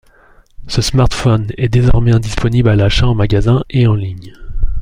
Ce smartphone est désormais indisponible à l'achat en magasin et en ligne.